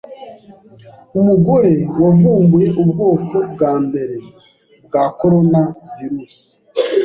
Umugore wavumbuye ubwoko bwa mbere bwa coronavirus